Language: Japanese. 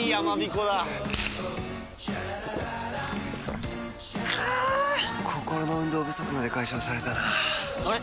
ココロの運動不足まで解消されたなぁあれ？